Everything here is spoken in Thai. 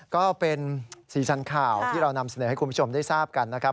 ก็เป็นสีสันข่าวที่เรานำเสนอให้คุณผู้ชมได้ทราบกันนะครับ